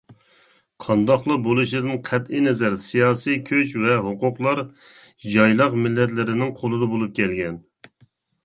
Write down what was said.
قانداقلا بولۇشىدىن قەتئىي نەزەر سىياسىي كۈچ ۋە ھوقۇقلار يايلاق مىللەتلىرىنىڭ قولىدا بولۇپ كەلگەن.